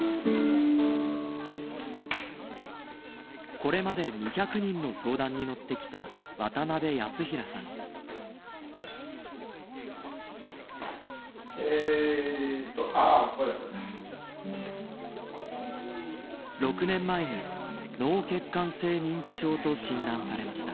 これまで２００人の相談に乗ってきた６年前に脳血管性認知症と診断されました。